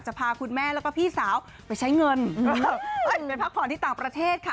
พาคุณแม่แล้วก็พี่สาวไปใช้เงินไปพักผ่อนที่ต่างประเทศค่ะ